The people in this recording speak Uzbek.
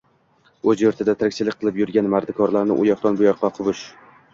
O‘z yurtida tirikchilik qilib yurgan mardikorlarni u yoqdan bu yoqqa quvish